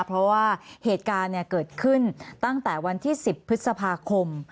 เพราะว่าเหตุการณ์เกิดขึ้นตั้งแต่วันที่๑๐พฤษภาคม